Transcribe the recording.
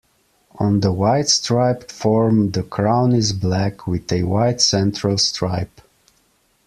On the white-striped form the crown is black with a white central stripe.